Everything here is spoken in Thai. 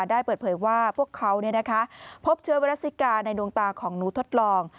ได้เปิดเผยว่าพวกเขาเนี่ยนะคะพบเชื้อเวลาสิกาในดวงตาของหนูทดลอง